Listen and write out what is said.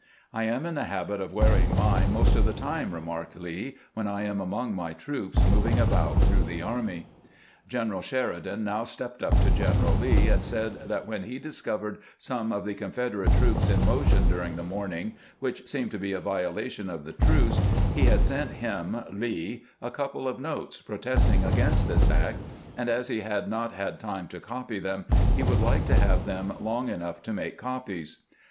" I am in the habit of wearing mine most of the time," remarked Lee, " when I am among my troops moving about through the army." General Sheridan now stepped up to General Lee, and said that when he discovered some of the Confederate troops in motion during the morning, which seemed to 484 CAMPAIGNING WITH GRANT be a violation of the truce, lie had sent him (Lee) a couple of notes protesting against this act, and as he had not had time to copy them, he would like to have them long enough to make copies.